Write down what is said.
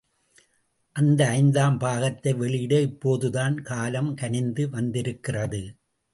அந்த ஐந்தாம் பாகத்தை வெளியிட இப்போதுதான் காலம் கனிந்து வந்திருக்கிறது.